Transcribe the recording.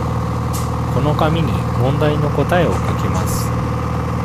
この紙に問題の答えを書きます。